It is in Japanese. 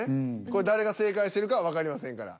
これ誰が正解してるかはわかりませんから。